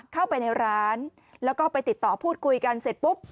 เข้าไปในร้านแล้วก็ไปติดต่อพูดคุยกันเสร็จปุ๊บ